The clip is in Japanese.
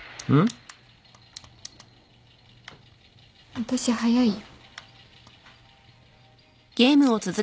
私早いよ。